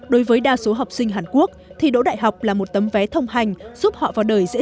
đối với đa số học sinh hàn quốc thì đỗ đại học là một tấm vé thông hành giúp họ vào đời dễ